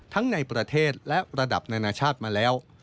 ในประเทศและระดับนานาชาติมาแล้ว